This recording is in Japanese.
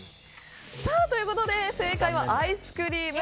ということで正解はアイスクリーム。